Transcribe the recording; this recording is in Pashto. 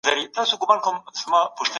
نفس ته ازادي نه ورکول کېږي.